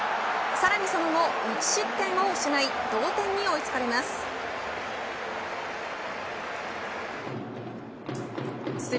さらにその後、１失点を失い同点に追いつかれます。